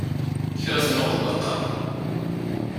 Kra tennuɣ d waṭṭan.